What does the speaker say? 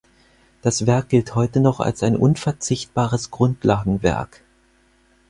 Das Werk gilt heute noch als ein unverzichtbares Grundlagenwerk.